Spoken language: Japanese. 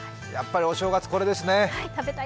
やっぱりお正月、これですね。